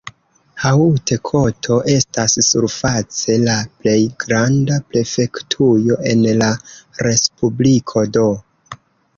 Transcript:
Haute-Kotto estas surface la plej granda prefektujo en la respubliko do.